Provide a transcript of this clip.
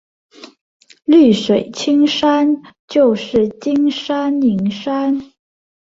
绿水青山就是金山银山